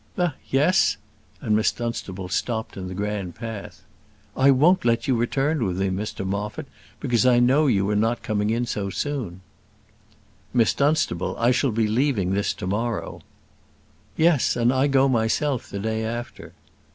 "Eh yes!" and Miss Dunstable stopped in the grand path. "I won't let you return with me, Mr Moffat, because I know you were not coming in so soon." "Miss Dunstable; I shall be leaving this to morrow." "Yes; and I go myself the day after."